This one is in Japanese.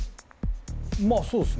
まあそうっすね。